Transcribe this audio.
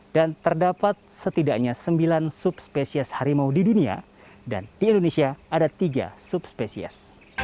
dan terdapat setidaknya sembilan subspesies harimau di dunia dan di indonesia ada tiga subspesies